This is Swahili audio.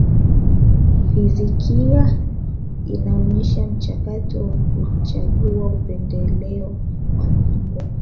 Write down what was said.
fizikia inaonyesha mchakato wa kuchagua upendeleo wa mzunguko